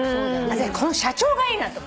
私この社長がいいなと。